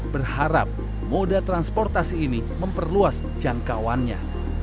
berharap moda transportasi ini memperluas jangkauannya